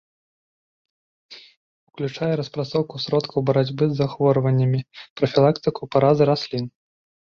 Уключае распрацоўку сродкаў барацьбы з захворваннямі, прафілактыку паразы раслін.